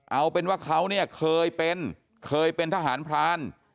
เอาเป็นว่าเขาเนี่ยเคยเป็นเคยเป็นทหารพราน